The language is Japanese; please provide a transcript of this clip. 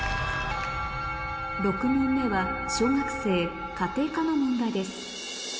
６問目は小学生家庭科の問題です